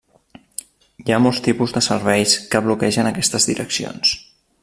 Hi ha molts tipus de serveis que bloquegen aquestes direccions.